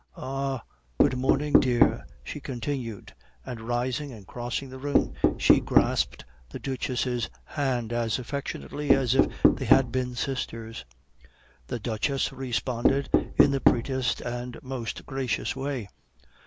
"Ah! good morning, dear," she continued, and rising and crossing the room, she grasped the Duchess' hands as affectionately as if they had been sisters; the Duchess responded in the prettiest and most gracious way.